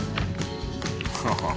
ハハハッ。